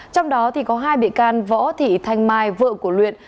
trong đó có hai bị can võ thị thanh mai vợ của luyện